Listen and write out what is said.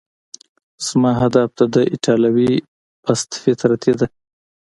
زما هدف د ده ایټالوي پست فطرتي ده.